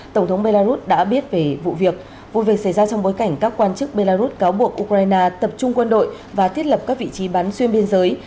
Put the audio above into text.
tổng thống belarus đã biết về vụ việc vụ việc xảy ra trong bối cảnh các quan chức belarus cáo buộc ukraine tập trung quân đội và thiết lập các vị trí bắn xuyên biên giới